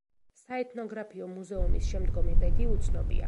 საეთნოგრაფიო მუზეუმის შემდგომი ბედი უცნობია.